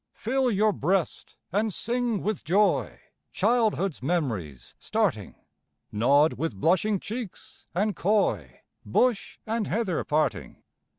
Fill your breast and sing with joy! Childhood's mem'ries starting, Nod with blushing cheeks and coy, Bush and heather parting.